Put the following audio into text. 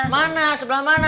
mana sebelah mana